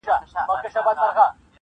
• بله لار نسته دا حکم د ژوندون دی -